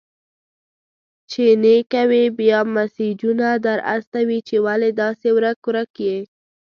چي نې کوې، بيا مسېجونه در استوي چي ولي داسي ورک-ورک يې؟!